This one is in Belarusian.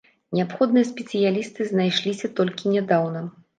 Неабходныя спецыялісты знайшліся толькі нядаўна.